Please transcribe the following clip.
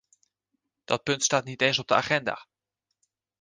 Dat punt staat niet eens op de agenda.